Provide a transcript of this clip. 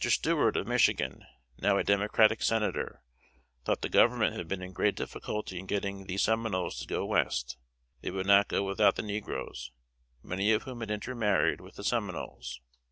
Stuart, of Michigan, now a Democratic Senator, thought the Government had been in great difficulty in getting these Seminoles to go West; they would not go without the negroes, many of whom had intermarried with the Seminoles.